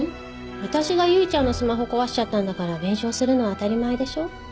私が唯ちゃんのスマホ壊しちゃったんだから弁償するのは当たり前でしょ？